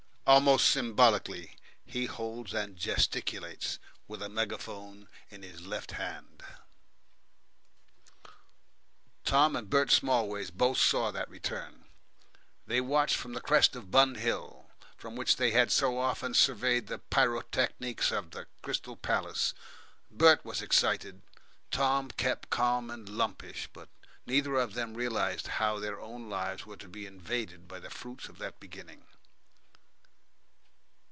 Almost symbolically he holds and gesticulates with a megaphone in his left hand. 6 Tom and Bert Smallways both saw that return. They watched from the crest of Bun Hill, from which they had so often surveyed the pyrotechnics of the Crystal Palace. Bert was excited, Tom kept calm and lumpish, but neither of them realised how their own lives were to be invaded by the fruits of that beginning.